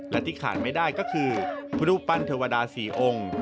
และที่ขาดไม่ได้ก็คือรูปปั้นเทวดา๔องค์